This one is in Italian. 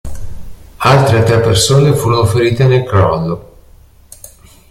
Altre tre persone furono ferite nel crollo.